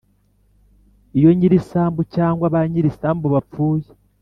iyo nyir’isambu cyangwa ba nyir’isambu bapfuye,